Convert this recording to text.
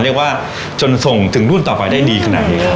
เรียกว่าจนส่งถึงรุ่นต่อไปได้ดีขนาดนี้ครับ